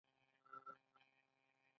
ښاغلی عارف یعقوبي بریالی خبریال دی.